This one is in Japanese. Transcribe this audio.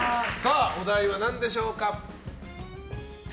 お題は何でしょうか。